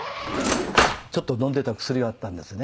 ちょっと飲んでいた薬があったんですね。